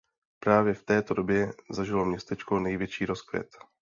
Právě v této době zažilo městečko největší rozkvět.